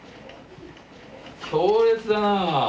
強烈だな。